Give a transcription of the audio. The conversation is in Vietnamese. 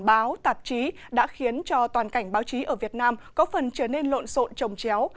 báo tạp chí đã khiến cho toàn cảnh báo chí ở việt nam có phần trở nên lộn xộn trồng chéo